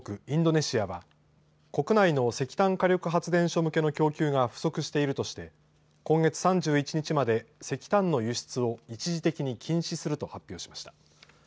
インドネシアは国内の石炭火力発電所向けの供給が不足しているとして今月３１日まで石炭の輸出を一時的に禁止すると発表しました。